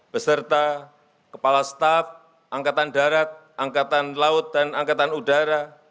beserta kepala staf angkatan darat angkatan laut dan angkatan udara